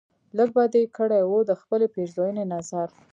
لږ به دې کړی و دخپلې پیرزوینې نظر